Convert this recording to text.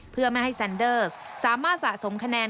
เพื่อไม่ให้แซนเดอร์สสามารถสะสมคะแนน